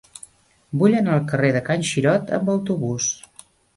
Vull anar al carrer de Can Xirot amb autobús.